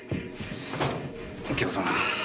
右京さん。